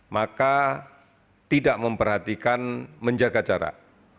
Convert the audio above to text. maka tidak memperhatikan menjaga jarak